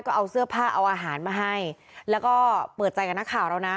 ก็เอาเสื้อผ้าเอาอาหารมาให้แล้วก็เปิดใจกับนักข่าวเรานะ